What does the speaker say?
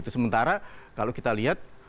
sementara kalau kita lihat